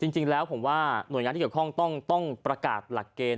จริงแล้วผมว่าหน่วยงานที่เกี่ยวข้องต้องประกาศหลักเกณฑ์